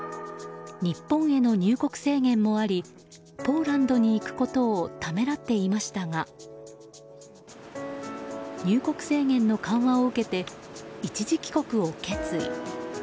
日本への入国制限もありポーランドに行くことをためらっていましたが入国制限の緩和を受けて一時帰国を決意。